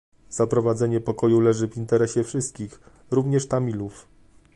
Zaprowadzenie pokoju leży w interesie wszystkich, również Tamilów